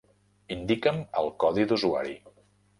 Indica'm el codi d'usuari.